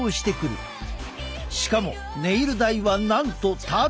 しかもネイル代はなんとタダ！